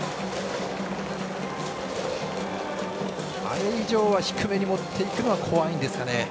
あれ以上低めに持ってくるのは怖いんでしょうかね。